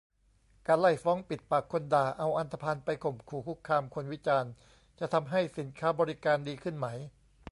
การไล่ฟ้องปิดปากคนด่า เอาอันธพาลไปข่มขู่คุกคามคนวิจารณ์ จะทำให้สินค้าบริการดีขึ้นไหม ?